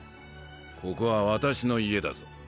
ここは私の家だぞ。